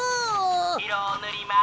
いろをぬります。